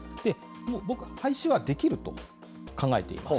もう僕、廃止はできると考えています。